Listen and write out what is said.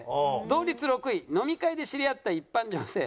同率６位飲み会で知り合った一般女性。